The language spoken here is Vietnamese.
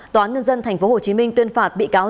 tòa nhân dân tp hcm tuyên phạt bị cáo